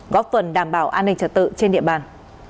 góp phần đảm bảo an ninh trật tự trên địa bàn